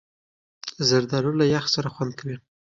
زردالو له یخ سره خوند کوي.